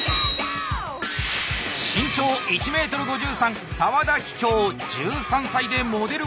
身長１ｍ５３澤田妃杏１３歳でモデル